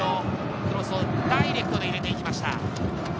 クロスをダイレクトで入れていきました。